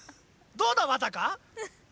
どうだわたか？